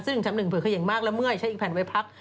ซึ่งชั้นหนึ่งเผื่อเขย่งมากและเมื่อยใช้อีกแผ่นไว้พัก